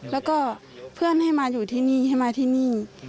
แล้วก็เพื่อนให้มาอยู่ที่นี่ให้มาที่นี่